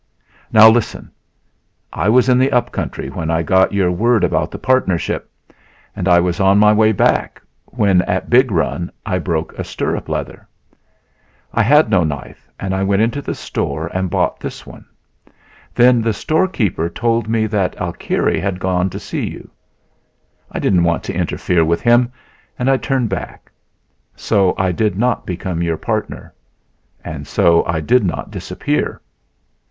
"Now, listen! I was in the upcountry when I got your word about the partnership; and I was on my way back when at Big Run I broke a stirrup leather. I had no knife and I went into the store and bought this one; then the storekeeper told me that Alkire had gone to see you. I didn't want to interfere with him and I turned back...So I did not become your partner. And so I did not disappear...